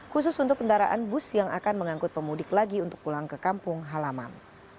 khusus untuk kendaraan bus yang akan mengangkut pemudik lagi untuk pulang ke kampung halaman